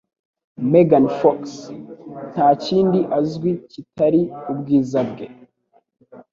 Megan Fox - Nta kindi azwi kitari ubwiza bwe.